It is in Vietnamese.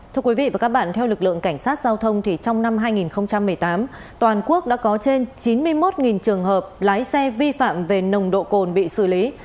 thưa quý vị và các bạn theo lực lượng cảnh sát giao thông thì trong năm hai nghìn một mươi tám toàn quốc đã có trên chín mươi một trường hợp lái xe vi phạm về nồng độ cồn bị xử lý